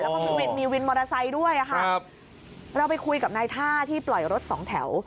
แล้วมีวินมอเตอร์ไซค์ด้วยค่ะเราไปคุยกับนายท่าที่ปล่อยรถ๒แถว